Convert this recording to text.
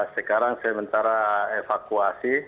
sekarang sementara evakuasi